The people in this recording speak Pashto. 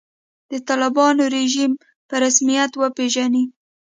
د طالبانو رژیم په رسمیت وپېژني.